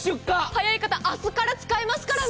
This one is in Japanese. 早い方は明日から使えますからね。